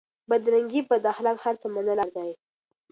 بدرنګي بداخلاق هرڅه منل اسان کار دی؛